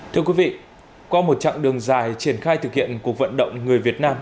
thưa quý vị qua một chặng đường dài triển khai thực hiện cuộc vận động người việt nam